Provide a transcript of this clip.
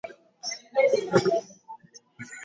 Nataka kutafuta pesa hii wiki